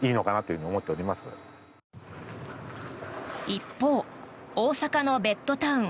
一方、大阪のベッドタウン